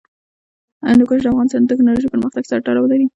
هندوکش د افغانستان د تکنالوژۍ پرمختګ سره تړاو لري.